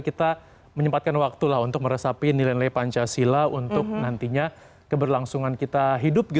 kita menyempatkan waktu lah untuk meresapi nilai nilai pancasila untuk nantinya keberlangsungan kita hidup